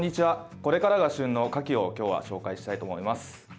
これからが旬のカキを今日は紹介したいと思います。